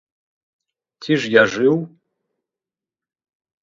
Ці ж я жыў?